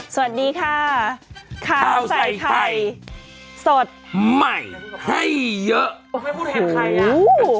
สวัสดีค่ะข้าวใส่ไข่สดใหม่ให้เยอะไม่พูดแทนใครอ่ะ